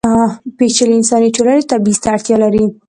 پېچلې انساني ټولنې تبعیض ته اړتیا لري.